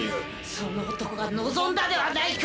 その男が望んだではないか」